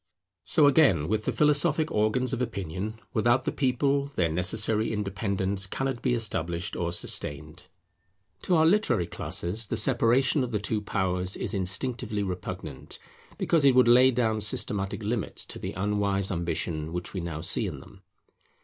So, again, with the philosophic organs of opinion; without the People, their necessary independence cannot be established or sustained. To our literary classes the separation of the two powers is instinctively repugnant, because it would lay down systematic limits to the unwise ambition which we now see in them.